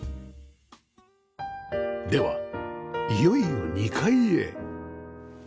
ではいよいよ２階へ